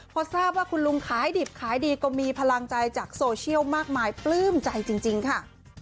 พอทราบว่าคุณลุงขายดิบขายดีก็มีพลังใจจากโซเชียลมากมายปลื้มใจจริงค่ะ